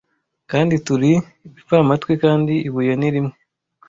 kandi turi ibipfamatwi kandi ibuye ni rimwe